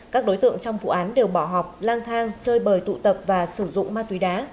các đối tượng trong vụ án đều bỏ học lang thang chơi bời tụ tập và sử dụng ma túy đá